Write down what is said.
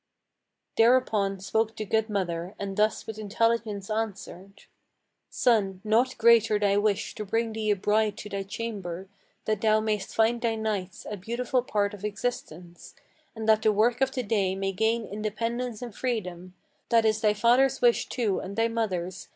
Thereupon spoke the good mother, and thus with intelligence answered: "Son, not greater thy wish to bring thee a bride to thy chamber, That thou mayst find thy nights a beautiful part of existence, And that the work of the day may gain independence and freedom, Than is thy father's wish too, and thy mother's.